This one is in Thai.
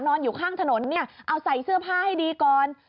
นอนอยู่ข้างถนนเอาใส่เสื้อผ้าให้ดีก่อน